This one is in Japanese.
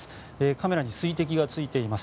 カメラに水滴がついています。